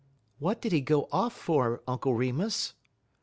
"What did he go off for, Uncle Remus?"